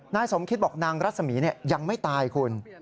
นายสมคิดบอกนางรัศมีร์ยังไม่ตายคุณ